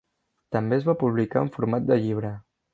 També es va publicar en format de llibre.